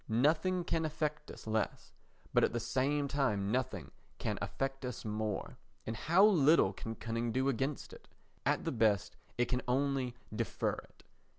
Nothing can affect us less, but at the same time nothing can affect us more; and how little can cunning do against it? At the best it can only defer it.